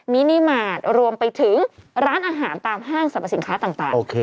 มินิมาตรรวมไปถึงร้านอาหารตามห้างสรรพสินค้าต่าง